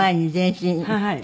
はい。